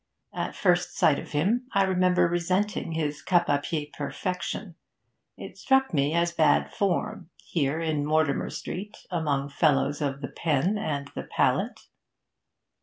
At first sight of him I remember resenting his cap à pie perfection; it struck me as bad form here in Mortimer Street, among fellows of the pen and the palette.